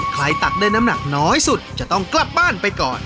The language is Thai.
ตักได้น้ำหนักน้อยสุดจะต้องกลับบ้านไปก่อน